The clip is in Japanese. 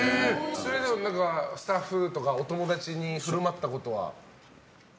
それはスタッフとかお友達に振る舞ったことは？